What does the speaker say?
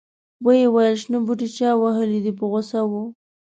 ویې ویل شنه بوټي چا وهلي دي په غوسه و.